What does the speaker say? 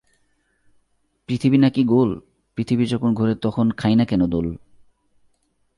পৃথিবী নাকি গোল পৃথিবী যখন ঘোরে তখন খাই না কেন দোল?